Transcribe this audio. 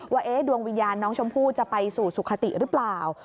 ว่าดวงวิญญาณน้องชมพู่จะไปสู่สุขติหรือเปล่า